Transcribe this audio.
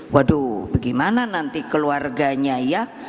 waduh bagaimana nanti keluarganya ya